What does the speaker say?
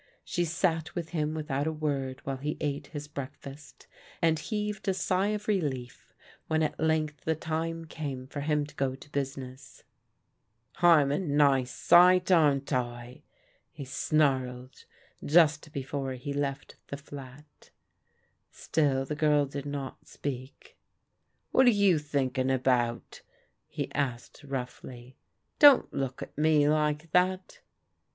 She sat with him without a word while Yie ale \ias \ycesJisr 198 PRODIGAL DAUGHTEBS fast, and heaved a sigh of relief when at length the time came for him to go to business. " I'm a nice sight, aren't I ?" he snarled just before he left the flat. Still the girl did not speak. "What are you thinking about?" he asked roughly. " Don't look at me like that."